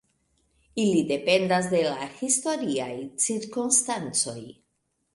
Ili dependas de la historiaj cirkonstancoj.